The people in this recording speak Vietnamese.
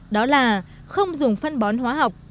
đó là không dùng phân bón hóa học